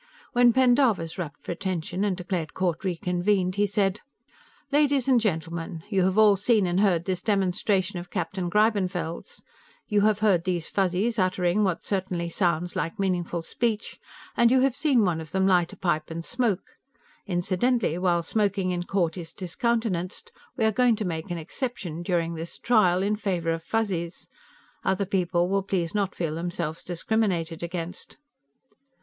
When Pendarvis rapped for attention and declared court reconvened, he said: "Ladies and gentlemen, you have all seen and heard this demonstration of Captain Greibenfeld's. You have heard these Fuzzies uttering what certainly sounds like meaningful speech, and you have seen one of them light a pipe and smoke. Incidentally, while smoking in court is discountenanced, we are going to make an exception, during this trial, in favor of Fuzzies. Other people will please not feel themselves discriminated against."